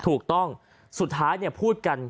ถูกต้องสุดท้ายพูดกัน